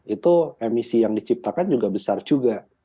itu emisi yang diciptakan juga besar juga